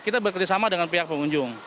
kita bekerja sama dengan pihak pengunjung